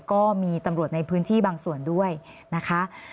ก็มีตำรวจในพื้นที่บางส่วนด้วยนะคะ